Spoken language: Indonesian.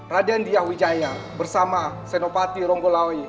raden diah wijaya bersama senopati ronggolawi